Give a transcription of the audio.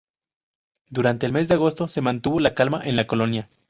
Durante el mes de agosto se mantuvo la calma en la colonia.